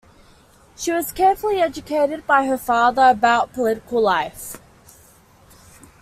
She was carefully educated by her father about political life.